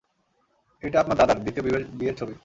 এইটা আপনার দাদার, দ্বিতীয় বিয়ের ছবি।